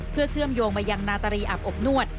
เพื่อเชื่อมโยงมายังนาตรีอาบอบนวด